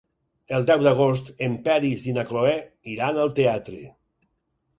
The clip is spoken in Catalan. El deu d'agost en Peris i na Cloè iran al teatre.